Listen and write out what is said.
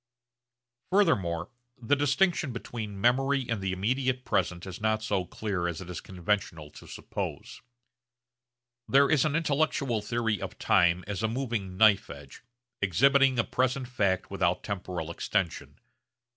Furthermore the distinction between memory and the immediate present is not so clear as it is conventional to suppose. There is an intellectual theory of time as a moving knife edge, exhibiting a present fact without temporal extension.